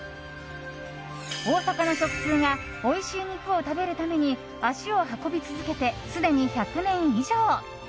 大阪の食通がおいしい肉を食べるために足を運び続けてすでに１００年以上。